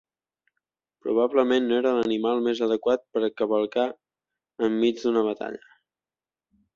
Probablement no era l’animal més adequat per a cavalcar enmig d’una batalla.